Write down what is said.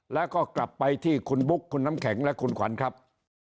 แล้วก็กลับไปที่คุณบุ๊คคุณน้ำแข็งและคุณขวัญครับ